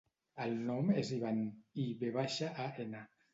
El nom és Ivan: i, ve baixa, a, ena.